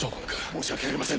申し訳ありません。